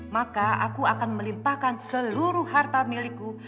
maka aku akan melimpahkan seluruh harta milikku